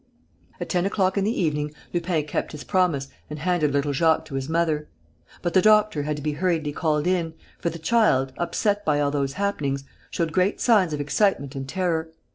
At ten o'clock in the evening Lupin kept his promise and handed little Jacques to his mother. But the doctor had to be hurriedly called in, for the child, upset by all those happenings, showed great signs of excitement and terror.